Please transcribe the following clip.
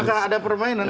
apakah ada permainan